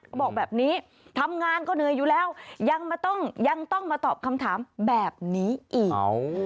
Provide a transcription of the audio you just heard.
บอกแบบนี้ทำงานก็เหนื่อยอยู่แล้วยังต้องมาตอบคำถามแบบนี้อีก